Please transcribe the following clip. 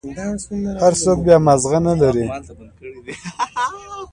هر سوك بيا مازغه نلري.